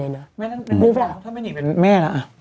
ไม่นั่นเป็นแม่แล้ว